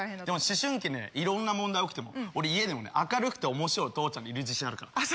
でも思春期いろんな問題起きても俺家でもね明るくて面白いお父ちゃんでいる自信あるから。